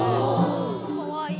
かわいい。